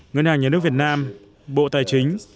ngân hàng nhà nước việt nam bộ tài chính